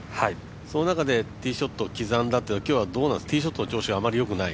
その中でティーショットを刻んだというのはティーショットの調子あまりよくない？